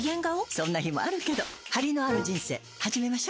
そんな日もあるけどハリのある人生始めましょ。